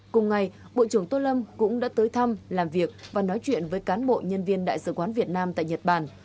cùng ngày bộ trưởng tô lâm cũng đã tới thăm làm việc và nói chuyện với cán bộ nhân viên đại sứ quán việt nam tại nhật bản